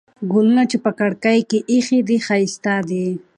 ګلونه چې په کړکۍ کې ایښي دي، ښایسته دي.